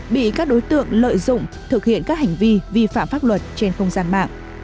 bị các đối tượng lợi dụng thực hiện các hành vi vi phạm pháp luật trên không gian mạng